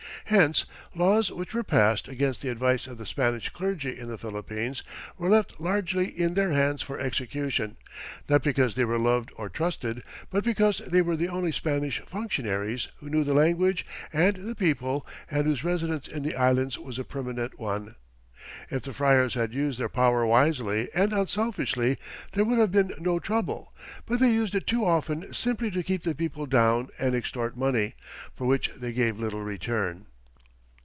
Hence laws which were passed against the advice of the Spanish clergy in the Philippines were left largely in their hands for execution, not because they were loved or trusted, but because they were the only Spanish functionaries who knew the language and the people and whose residence in the Islands was a permanent one. If the friars had used their power wisely and unselfishly, there would have been no trouble, but they used it too often simply to keep the people down and extort money, for which they gave little return.